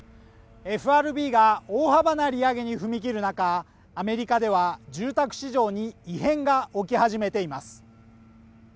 ＦＲＢが大幅な利上げに踏み切る中アメリカでは住宅市場に異変が起き始めています